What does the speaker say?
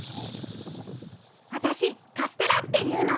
あたしカステラっていうの。